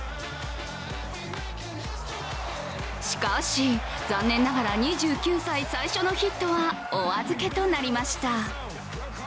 しかし、残念ながら２９歳最初のヒットはお預けとなりました。